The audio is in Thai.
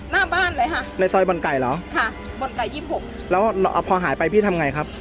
ในซอยบนไก่เหรอค่ะบนไก่ยี่สิบหกแล้วพอหายไปพี่ทำไงครับ